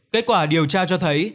kết quả điều tra cho thấy